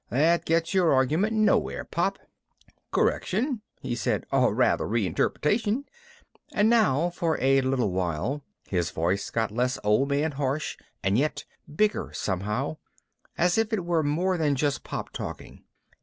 That gets your argument nowhere, Pop." "Correction," he said. "Or rather, re interpretation." And now for a little while his voice got less old man harsh and yet bigger somehow, as if it were more than just Pop talking.